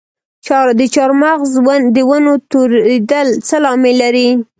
د چهارمغز د ونو توریدل څه لامل لري؟